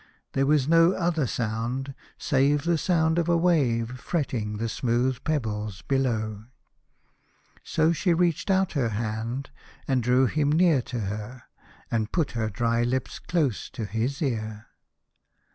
There was no other sound save the sound of a wave fretting the smooth pebbles below. So she reached out her hand, and drew him near to her and put her dry lips close to his ear.